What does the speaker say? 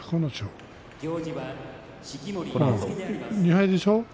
２敗でしょう？